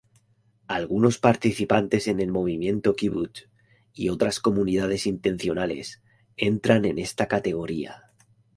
Algunos participantes en el movimiento kibbutz y otras comunidades intencionales entran en esta categoría.